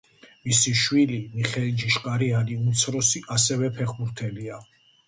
მისი შვილი, მიხეილ ჯიშკარიანი უმცროსი ასევე ფეხბურთელია.